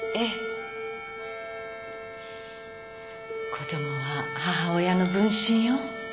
子供は母親の分身よ。